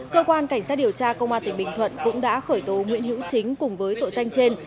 cơ quan cảnh sát điều tra công an tỉnh bình thuận cũng đã khởi tố nguyễn hữu chính cùng với tội danh trên